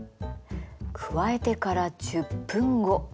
加えてから１０分後。